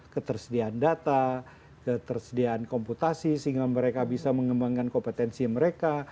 ketersediaan data ketersediaan komputasi sehingga mereka bisa mengembangkan kompetensi mereka